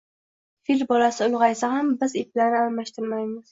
Fil bolasi ulg`aysa ham, biz iplarni almashtirmaymiz